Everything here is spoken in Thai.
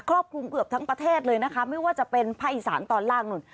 รอบคลุมเกือบทั้งประเทศเลยนะคะไม่ว่าจะเป็นภาคอีสานตอนล่างนู่น